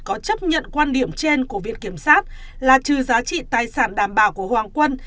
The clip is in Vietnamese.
có chấp nhận quan điểm trên của viện kiểm sát là trừ giá trị tài sản đảm bảo của hoàng quân